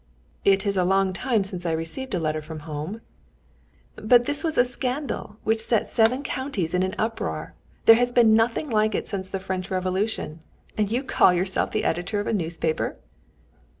"It is a long time since I received a letter from home." "But this was a scandal which set seven counties in an uproar; there has been nothing like it since the French Revolution and you call yourself the editor of a newspaper!"